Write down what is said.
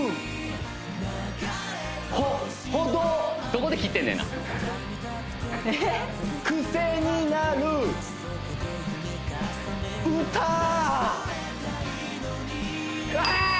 どこで切ってんねんなうわーっ！